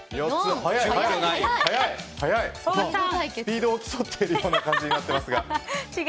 スピードを競っているような感じになっていますが。